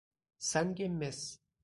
سنگ مس